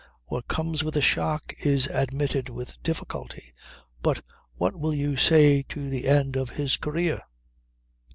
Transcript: What comes with a shock is admitted with difficulty. But what will you say to the end of his career?